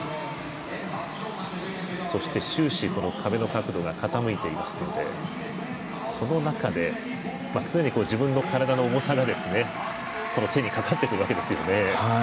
そして、終始壁の角度が傾いていますのでその中で、常に自分の体の重さが手にかかってくるわけですよね。